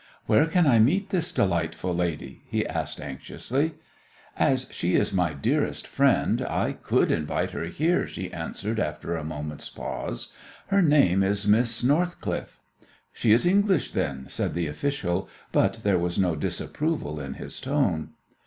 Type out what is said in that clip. "Where can I meet this delightful lady?" he asked anxiously. "As she is my dearest friend I could invite her here," she answered, after a moment's pause. "Her name is Miss Northcliffe." "She is English then?" said the official, but there was no disapproval in his tone.